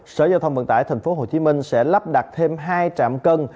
sở giao thông vận tải tp hcm sẽ lắp đặt thêm hai trạm cân